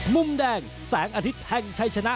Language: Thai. มุมแดงแสงอาทิตย์แห่งชัยชนะ